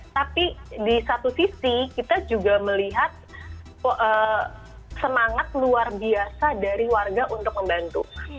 tapi di satu sisi kita juga melihat semangat luar biasa dari warga untuk membantu